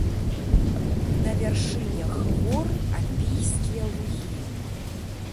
На вяршынях гор альпійскія лугі.